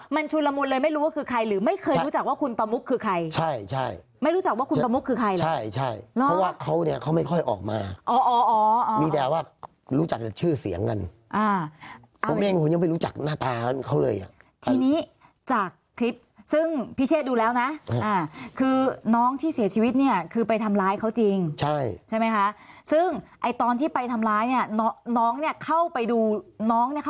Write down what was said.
มันไม่รู้จักเขาแล้วทำไมถ้ารู้จักคุณประมุกจะไม่ทำคุณประมุก